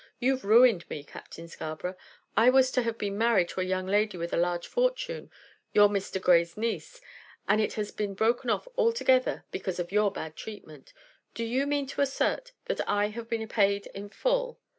You've ruined me, Captain Scarborough. I was to have been married to a young lady with a large fortune, your Mr. Grey's niece, and it has been broken off altogether because of your bad treatment. Do you mean to assert that I have been paid in full?"